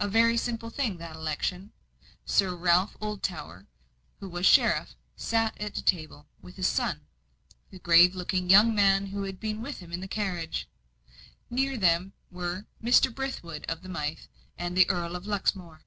A very simple thing, that election! Sir Ralph Oldtower, who was sheriff, sat at a table, with his son, the grave looking young man who had been with him in the carriage; near them were Mr. Brithwood of the Mythe, and the Earl of Luxmore.